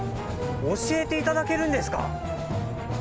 教えていただけるんですか？